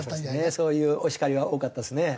そういうお叱りは多かったですね。